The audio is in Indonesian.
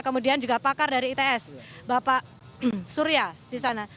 kemudian juga pakar dari its bapak surya di sana